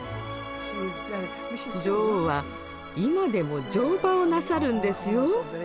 女王は今でも乗馬をなさるんですよ。